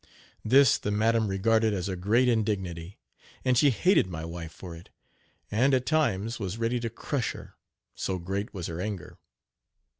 This the madam regarded as a great indignity, and she hated my wife for it, and, at times, was ready to crush her, so great was her anger.